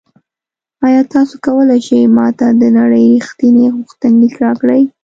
ایا تاسو کولی شئ ما ته د نړۍ ریښتیني غوښتنلیک راکړئ؟